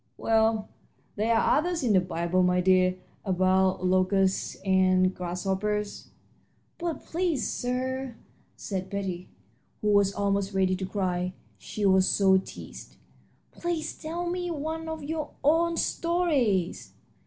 "Well, there are others in the Bible, my dear, about locusts and grasshoppers." "But, please, sir," said Betty, who was almost ready to cry, she was so teased "please tell me one of your own stories."